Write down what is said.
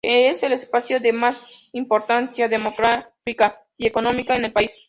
Es el espacio de más importancia demográfica y económica en el país.